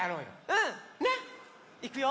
うん！ね？いくよ！